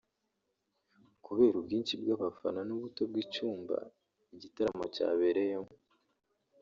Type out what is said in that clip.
Kubera ubwinshi bw’abafana n’ubuto bw’icyumba igitaramo cyabereyemo